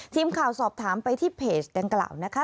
ทีมข่าวสอบถามไปที่เพจดังกล่าวนะคะ